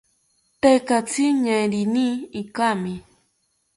Tekatzi ñeerini ikami